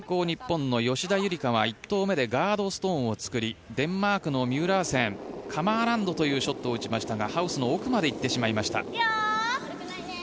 日本の吉田夕梨花は１投目でガードストーンを作りデンマークのミュー・ラーセンカマーランドというショットを打ちましたがハウスの奥まで行ってしまいました。